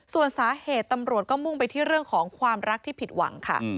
ส่วนสาเหตุตำรวจก็มุ่งไปที่เรื่องของความรักที่ผิดหวังค่ะ